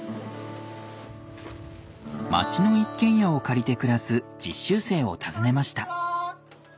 町の一軒家を借りて暮らす実習生を訪ねました。